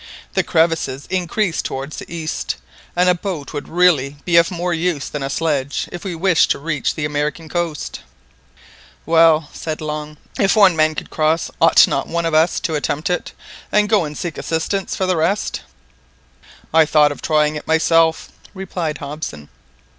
The crevasses increase towards the east, and a boat would really be of more use than a sledge if we wish to reach the American coast" "Well," said Long, "if one man could cross, ought not one of us to attempt it, and go and seek assistance for the rest." "I thought of trying it myself," replied Hobson.